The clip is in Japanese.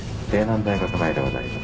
大学前でございます。